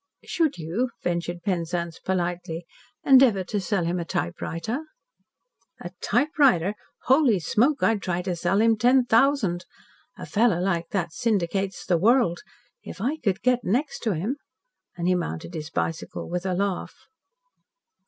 "Should you," ventured Penzance politely, "endeavour to sell him a typewriter?" "A typewriter! Holy smoke! I'd try to sell him ten thousand. A fellow like that syndicates the world. If I could get next to him " and he mounted his bicycle with a laugh.